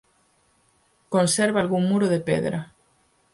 Conserva algún muro de pedra.